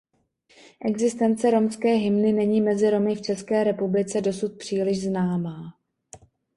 Existence romské hymny není mezi Romy v České republice dosud příliš známá.